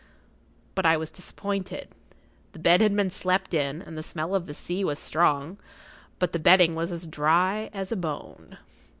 But I was disappointed. The bed had been slept in, and the smell of the sea was strong; but the bedding was as dry as a bone.